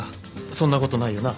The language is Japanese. そんなことないよな？